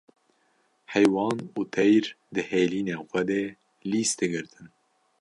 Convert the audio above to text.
heywan û teyr di hêlînên xwe de lîs digirtin.